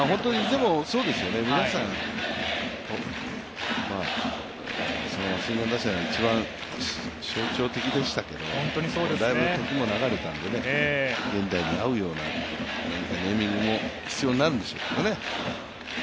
でもそうですよね、皆さん、マシンガン打線が一番象徴的でしたけど、だいぶ時も流れたので現代に合うような、何かネーミングも必要になるんでしょうけどね。